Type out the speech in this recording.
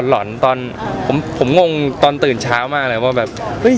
ก็มันเป็นสิ่งที่เราไม่คิดหรอกครับ